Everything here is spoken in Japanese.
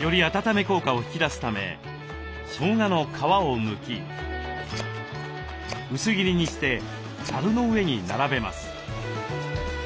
より温め効果を引き出すためしょうがの皮をむき薄切りにしてざるの上に並べます。